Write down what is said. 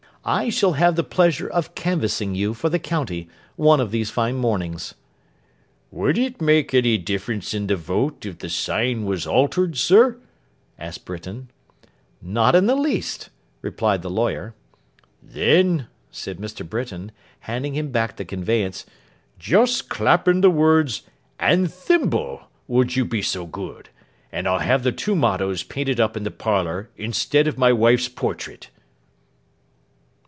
I shall have the pleasure of canvassing you for the county, one of these fine mornings.' 'Would it make any difference in the vote if the sign was altered, sir?' asked Britain. 'Not in the least,' replied the lawyer. 'Then,' said Mr. Britain, handing him back the conveyance, 'just clap in the words, "and Thimble," will you be so good; and I'll have the two mottoes painted up in the parlour instead of my wife's portrait.